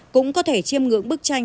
cũng có thể chiêm ngưỡng bức tranh